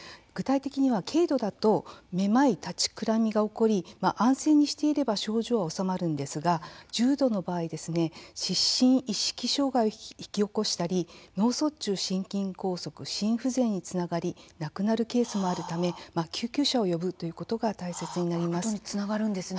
具体的には、軽度だとめまい、立ちくらみが起こり安静にしていれば症状は治まるんですけれども重度の場合失神、意識障害を引き起こしたり脳卒中、心筋梗塞、心不全につながり亡くなるケースもあるため救急車を呼ぶということが大切になります。